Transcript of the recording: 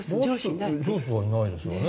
上司はいないですよね